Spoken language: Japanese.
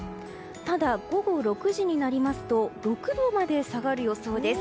ただ、午後６時になりますと６度まで下がる予想です。